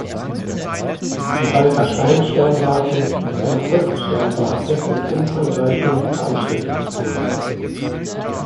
Die Walter-Stein-Sternwarte ist eine Volkssternwarte mit umfangreichem Veranstaltungsprogramm.